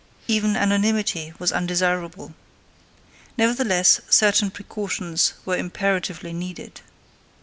Even anonymity was undesirable. Nevertheless, certain precautions were imperatively needed.